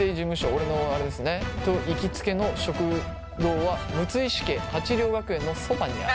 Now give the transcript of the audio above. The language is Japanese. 俺のあれですねと行きつけの食堂は六石家鉢涼学園のそばにある！